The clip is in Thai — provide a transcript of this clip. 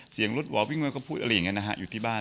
เสียงรถหวอวิ่งมาก็พูดอะไรอย่างนี้นะฮะอยู่ที่บ้าน